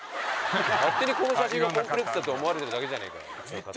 勝手にこの写真がコンプレックスだと思われてるだけじゃねえかよ。